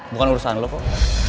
bukan urusan lo kok